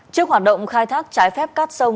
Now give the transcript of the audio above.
trước hoạt động khai thác trái phép cát xong